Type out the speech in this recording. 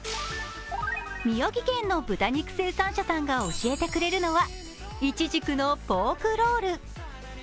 宮城県の豚肉生産者さんが教えてくれるのはイチジクのポークホール。